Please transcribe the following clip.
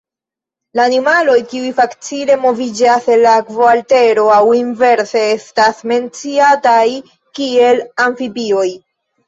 Animaloj kiuj facile moviĝas el akvo al tero aŭ inverse estas menciataj kiel amfibioj.